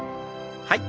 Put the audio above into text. はい。